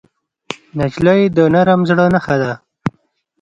نجلۍ د نرم زړه نښه ده.